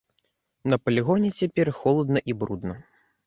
На палігоне цяпер холадна і брудна.